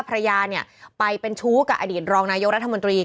ภรรยาเนี่ยไปเป็นชู้กับอดีตรองนายกรัฐมนตรี